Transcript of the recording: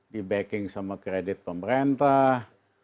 dibacking sama kredit pemerintah